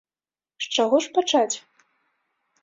З чаго ж пачаць?